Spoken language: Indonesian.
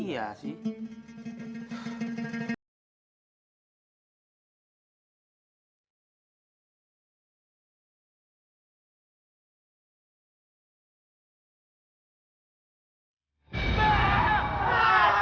tidak itu dia